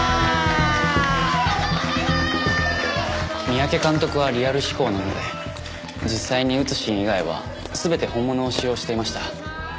三宅監督はリアル志向なので実際に撃つシーン以外は全て本物を使用していました。